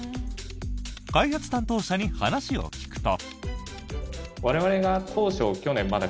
開発担当者に話を聞くと。